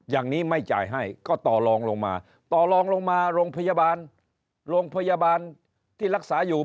อย่างนี้ไม่จ่ายให้ก็ต่อลองลงมาต่อลองลงมาโรงพยาบาลโรงพยาบาลที่รักษาอยู่